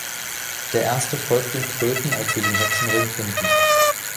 Der erste folgt den Kröten, als sie den Hexenring finden.